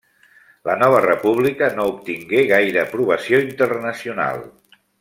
La nova república no obtingué gaire aprovació internacional.